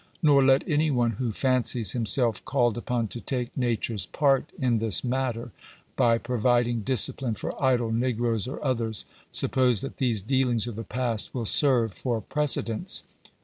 Nor let any one who fancies himself called upon to take Nature's part in this matter, by providing discipline for idle negroes or others, suppose that these dealings of the past will it serve for precedents.